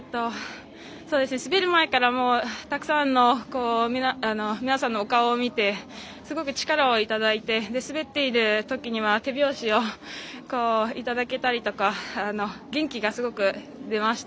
滑る前からたくさんの皆さんのお顔を見てすごく力をいただいて滑っているときには手拍子をいただけたりとか元気がすごく出ました。